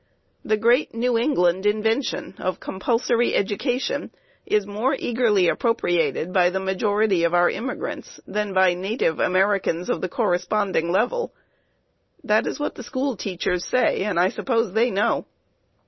The great New England invention of compulsory education is more eagerly appropriated by the majority of our immigrants than by native Americans of the corresponding level. That is what the school teachers say, and I suppose they know.